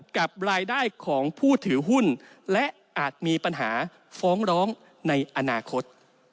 กับรายได้ของผู้ถือหุ้นและอาจมีปัญหาฟ้องร้องในอนาคต